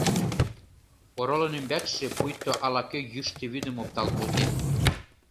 Оролын ӱмбакше пуйто ала-кӧ йӱштӧ вӱдым оптал колтен.